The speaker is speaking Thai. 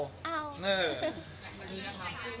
สมียนะครับวางแผนไว้ไงบ้างกันนะ